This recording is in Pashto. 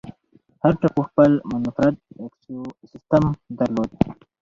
هر ټاپو خپل منفرد ایکوسیستم درلود.